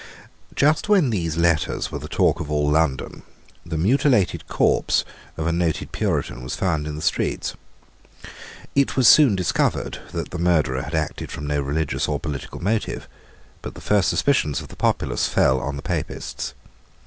Just when these letters were the talk of all London, the mutilated corpse of a noted Puritan was found in the streets. It was soon discovered that the murderer had acted from no religious or political motive. But the first suspicions of the populace fell on the Papists.